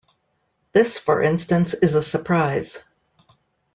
This, for instance, is a surprise.